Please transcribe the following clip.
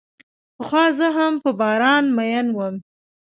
پخوا زه هم په باران مئین وم.